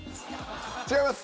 違います。